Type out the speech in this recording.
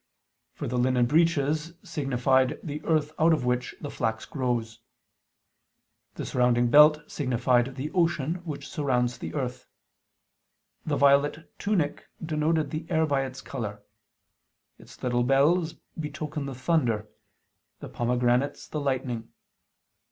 For the linen breeches signified the earth out of which the flax grows. The surrounding belt signified the ocean which surrounds the earth. The violet tunic denoted the air by its color: its little bells betoken the thunder; the pomegranates, the lightning.